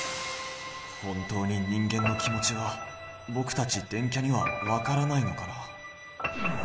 本当に人間の気もちはぼくたち電キャにはわからないのかな。